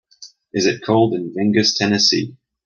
is it cold in Vigus Tennessee